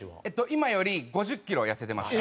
今より５０キロ痩せてました。